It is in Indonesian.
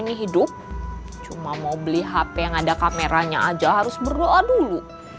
ini hidup cuma mau beli hp yang ada kameranya aja harus berdoa dulu